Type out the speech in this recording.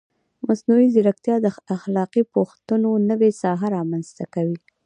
مصنوعي ځیرکتیا د اخلاقي پوښتنو نوې ساحه رامنځته کوي.